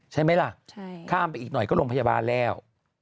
ใช่ไหมล่ะข้ามไปอีกหน่อยก็โรงพยาบาลแล้ว